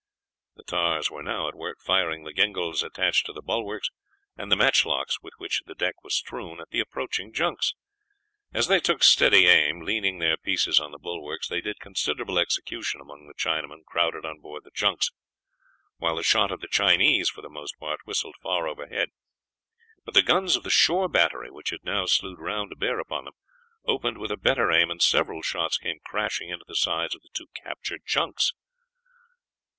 The tars were now at work firing the gingals attached to the bulwarks and the matchlocks with which the deck was strewn, at the approaching junks. As they took steady aim, leaning their pieces on the bulwarks, they did considerable execution among the Chinamen crowded on board the junks, while the shot of the Chinese, for the most part, whistled far overhead; but the guns of the shore battery, which had now slewed round to bear upon them, opened with a better aim, and several shots came crashing into the sides of the two captured junks.